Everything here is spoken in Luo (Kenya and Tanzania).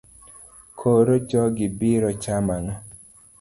Koro jogi biro chamo ang'o?